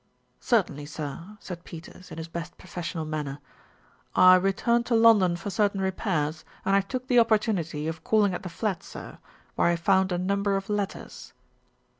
"Certainly, sir," said Peters in his best professional manner. "I returned to London for certain repairs, and I took the opportunity of calling at the flat, sir, where I found a number of letters."